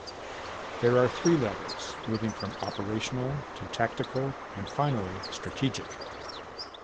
There are three levels, moving from operational, to tactical and finally strategic.